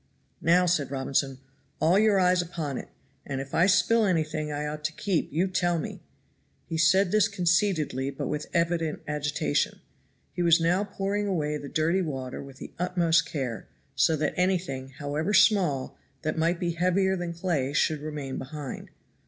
"Now," said Robinson, "all your eyes upon it, and if I spill anything I ought to keep you tell me." He said this conceitedly but with evident agitation. He was now pouring away the dirty water with the utmost care, so that anything, however small, that might be heavier than clay should remain behind.